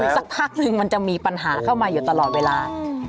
สักพักนึงมันจะมีปัญหาเข้ามาอยู่ตลอดเวลา